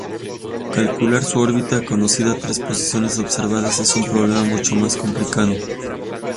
Calcular su órbita conocidas tres posiciones observadas es un problema mucho más complicado.